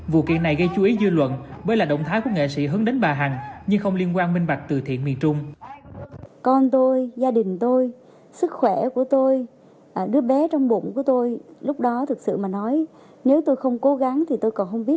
vụ kiện này gây chú ý dư luận bởi là động thái của nghệ sĩ hướng đến bà hằng nhưng không liên quan minh bạch từ thiện miền trung